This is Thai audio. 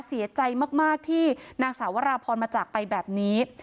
เสียใจมากที่นางสาวราพรมาจากไปแบบนี้